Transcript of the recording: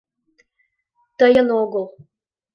— Тыйын огыл...